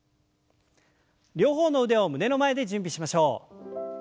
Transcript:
両方の腕を胸の前で準備しましょう。